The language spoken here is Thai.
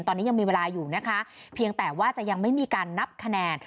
ตอนนี้ยังมีเวลาอยู่นะคะเพียงแต่ว่าจะยังไม่มีการนับคะแนน